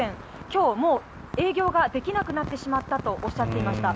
今日はもう営業ができなくなってしまったとおっしゃっていました。